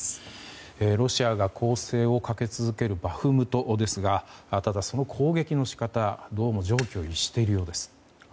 ロシアが攻勢をかけ続けるバフムトですがただその攻撃の仕方、どうも常軌を逸しているようです。